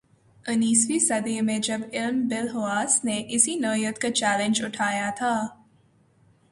انیسویں صدی میں جب علم بالحواس نے اسی نوعیت کا چیلنج اٹھایا تھا۔